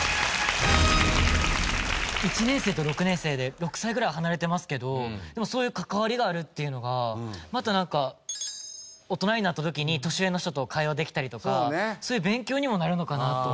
１年生と６年生で６歳ぐらい離れてますけどでもそういう関わりがあるっていうのがまたなんか大人になった時に年上の人と会話できたりとかそういう勉強にもなるのかなと。